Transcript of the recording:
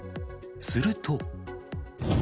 すると。